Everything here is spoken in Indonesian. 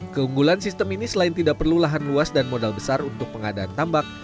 keunggulan sistem ini selain tidak perlu lahan luas dan modal besar untuk pengadaan tambak